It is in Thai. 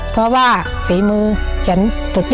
เพราะว่าฝีมือฉันสุด